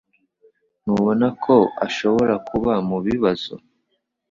Ntubona ko ashobora kuba mubibazo?